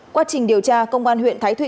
qua trình điều tra công an huyện thái thụy